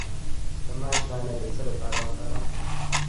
د ماش دانه د څه لپاره وکاروم؟